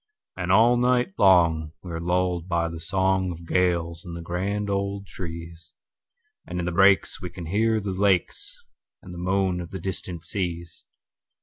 And all night long we are lulled by the songOf gales in the grand old trees; And in the breaks we can hear the lakesAnd the moan of the distant seas.